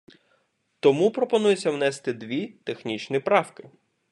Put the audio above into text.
Тому, пропонується внести дві технічні правки.